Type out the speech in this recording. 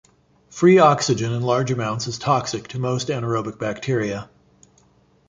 Free oxygen in large amounts is toxic to most anaerobic bacteria.